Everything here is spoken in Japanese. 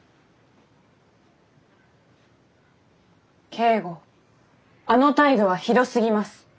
京吾あの態度はひどすぎます。